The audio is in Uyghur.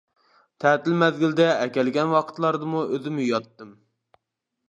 تەتىل مەزگىلىدە ئەكەلگەن ۋاقىتلاردىمۇ ئۆزۈم يۇياتتىم.